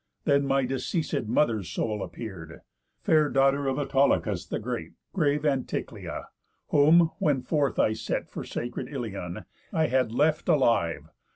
Then my deceaséd mother's soul appear'd, Fair daughter of Autolycus the great, Grave Anticlea, whom, when forth I set For sacred Ilion, I had left alive.